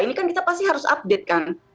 ini kan kita pasti harus update kan